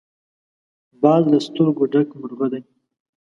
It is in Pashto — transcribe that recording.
باز له سترګو ډک مرغه دی